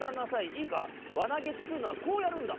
いいかわなげっつうのはこうやるんだ！